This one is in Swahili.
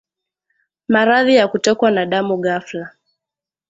Maradhi ya kutokwa na damu ghafla